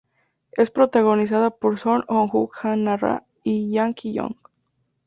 Es protagonizada por Son Ho Jun Jang Na Ra y Jang Ki Yong.